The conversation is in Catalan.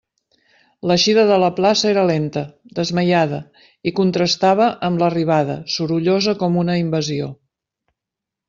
L'eixida de la plaça era lenta, desmaiada, i contrastava amb l'arribada, sorollosa com una invasió.